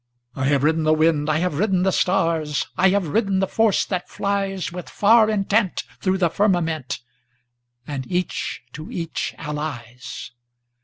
I have ridden the wind,I have ridden the stars,I have ridden the force that fliesWith far intent thro' the firmamentAnd each to each allies.